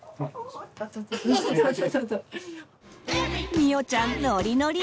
みおちゃんノリノリ！